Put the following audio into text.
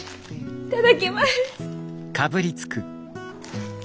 いただきます。